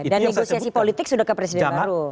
dan negosiasi politik sudah ke presiden baru